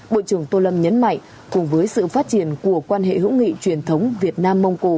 bộ trưởng tô lâm nhấn mạnh cùng với sự phát triển của quan hệ hữu nghị truyền thống việt nam mông cổ